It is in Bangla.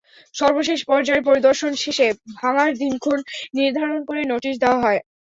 সর্বশেষ পর্যায়ের পরিদর্শন শেষে ভাঙার দিনক্ষণ নির্ধারণ করে নোটিশ দেওয়া হয়।